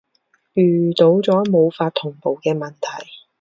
遇到咗無法同步嘅問題